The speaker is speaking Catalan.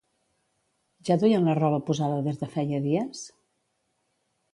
Ja duien la roba posada des de feia dies?